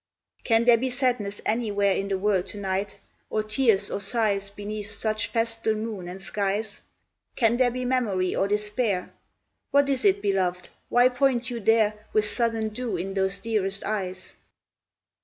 Can there be sadness anywhere In the world to night? Or tears or sighs Beneath such festal moon and skies? Can there be memory or despair? What is it, beloved? Why point you there, With sudden dew in those dearest eyes?